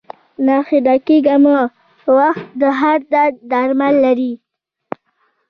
ناهيلی کيږه مه ، وخت د هر درد درمل لري